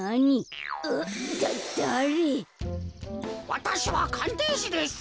わたしはかんていしです。